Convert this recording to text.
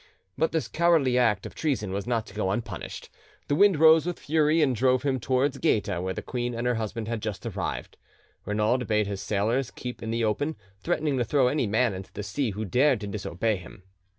But this cowardly act of treason was not to go unpunished. The wind rose with fury, and drove him towards Gaeta, where the queen and her husband had just arrived. Renaud bade his sailors keep in the open, threatening to throw any man into the sea who dared to disobey him.